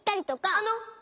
あの！